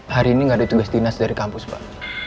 hari ini nggak ada tugas dinas dari kampus pak